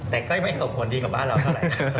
แต่ก็ไม่ส่งผลดีกับบ้านเราเท่าไหร่